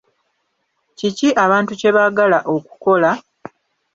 Kiki abantu kye baagala okukola?